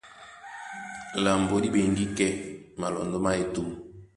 Lambo dí ɓeŋgí kɛ́ malɔndɔ má etûm.